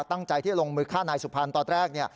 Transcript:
ตั้งใจที่จะลงมือฆ่านายสุพรรณตอนแรก